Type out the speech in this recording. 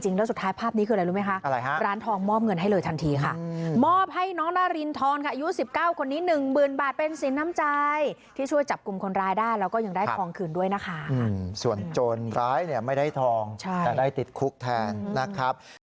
แล้วพี่เขาก็โทรเรียกตำรวจมา